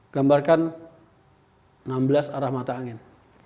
gambarkan enam belas arah mata angin